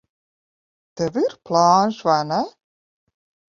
Tev ir plāns, vai ne?